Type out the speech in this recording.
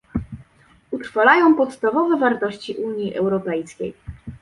Utrwalają podstawowe wartości Unii Europejskiej